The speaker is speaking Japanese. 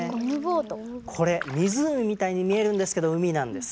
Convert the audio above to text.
これ湖みたいに見えるんですけど海なんです。